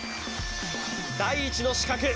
第１の刺客